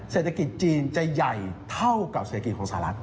เศรษฐกิจจีนจะใหญ่เท่ากับเศรษฐกิจของสหรัฐ